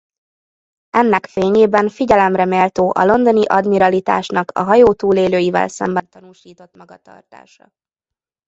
Ennek fényében figyelemre méltó a londoni admiralitásnak a hajó túlélőivel szemben tanúsított magatartása.